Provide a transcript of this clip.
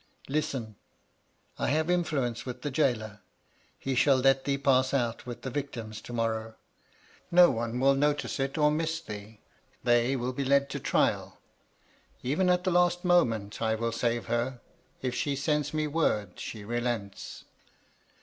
"* Listen ! I have influence with the gaoler. He shall let thee pass out with the victims to morrow. No one will notice it, or miss thee, . They will be led to trial, — even at the last moment, I will save her, if she sends me word she relents.